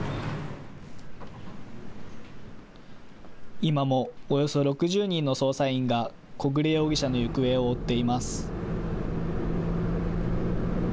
今もおよそ６０人の捜査員が小暮容疑者の行方を追っています。